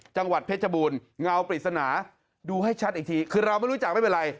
จังหวัดเพชรบูรณ์เงาปริศนาดูให้ชัดอีกทีคือเราไม่รู้จักไม่เป็นไร